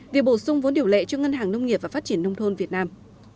việc bổ sung vốn điều lệ cho ngân hàng nông nghiệp và phát triển nông thôn việt nam